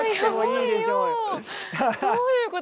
どういうこと？